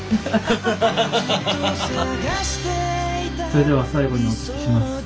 それでは最後にお聞きします。